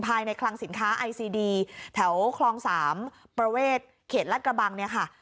คลังสินค้าไอซีดีแถวคลอง๓ประเวทเขตรัดกระบังเนี่ยค่ะ